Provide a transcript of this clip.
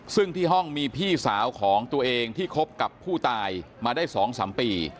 ซึ่งที่ห้องมีพี่สาวของตัวเองที่คบกับผู้ตายมาได้๒๓ปี